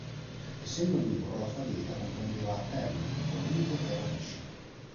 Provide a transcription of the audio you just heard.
Essendo onnivoro, la sua dieta comprendeva termiti, formiche e radici.